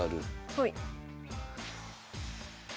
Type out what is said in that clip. はい。